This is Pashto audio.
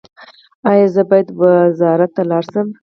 ایا زه باید وزارت ته لاړ شم؟